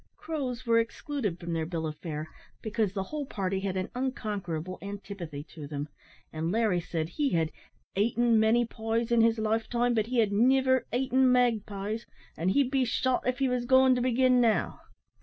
Crows were excluded from their bill of fare, because the whole party had an unconquerable antipathy to them; and Larry said he had "aiten many pies in his lifetime, but he had niver aiten magpies, and he'd be shot av he wos goin' to begin now."